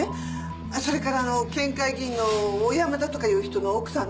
それからあの県会議員の小山田とかいう人の奥さんの事故死の。